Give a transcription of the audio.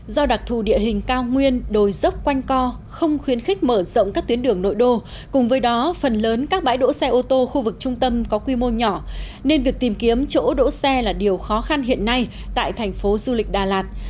do đặc thù địa hình cao nguyên đồi dốc quanh co không khuyến khích mở rộng các tuyến đường nội đô cùng với đó phần lớn các bãi đỗ xe ô tô khu vực trung tâm có quy mô nhỏ nên việc tìm kiếm chỗ đỗ xe là điều khó khăn hiện nay tại thành phố du lịch đà lạt